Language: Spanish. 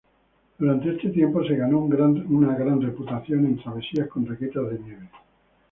Durante este tiempo se ganó una gran reputación en travesías con raquetas de nieve.